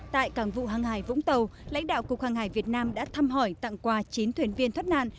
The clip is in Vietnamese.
tại cảng vụ hàng hải vũng tàu lãnh đạo cục hàng hải việt nam đã thăm hỏi tặng quà chín thuyền viên thoát nạn